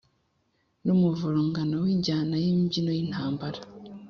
n'umuvurungano w'injyana y'imbyino y'intambara